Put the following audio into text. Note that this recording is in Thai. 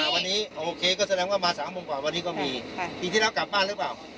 วันนี้โอเคก็แสดงว่ามา๓โมงกว่าวันนี้ก็มีปีที่แล้วกลับบ้านหรือเปล่า